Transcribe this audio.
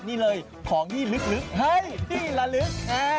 นี่เลยของที่ลึกเฮ้ยที่ละลึก